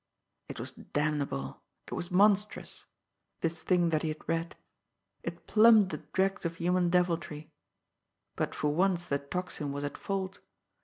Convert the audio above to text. It was damnable, it was monstrous, this thing that he had read; it plumbed the dregs of human deviltry but for once the Tocsin was at fault.